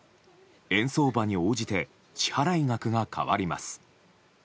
円相場に応じて支払額が変わります。